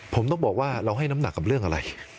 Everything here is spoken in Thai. ผมต้องบอกว่าเราให้น้ำหนักกับเรื่องอะไร